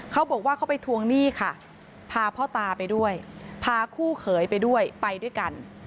เขาบอกว่าเขาไปทวงหนี้ค่ะพาพ่อตาไปด้วยพาคู่เขยไปด้วยไปด้วยกัน